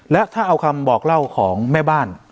และถ้าเอาคำบอกเล่าของแม่บ้าน